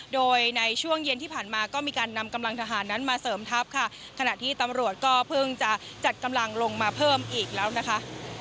โดยในช่วงเย็นที่ผ่านมาก็มีการนำกำลังทหารนั้นมาเสริมทัพค่ะขณะที่ตำรวจก็เพิ่งจะจัดกำลังลงมาเพิ่มอีกแล้วนะคะ